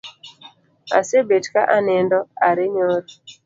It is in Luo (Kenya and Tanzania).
Asebet ka anindo are nyoro